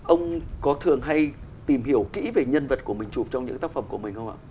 ông có thường hay tìm hiểu kỹ về nhân vật của mình chụp trong những tác phẩm của mình không ạ